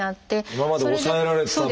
今まで抑えられてた分。